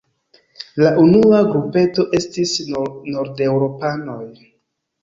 La unua grupeto estis nordeŭropanoj.